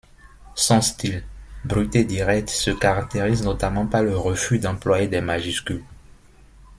Son style, brut et direct, se caractérise notamment par le refus d'employer des majuscules.